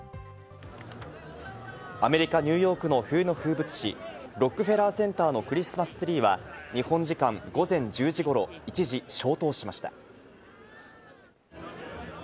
アメリカ・ニューヨークの冬の風物詩、ロックフェラーセンターのクリスマスツリーは、日本時間午前１０時頃、一時消灯しました。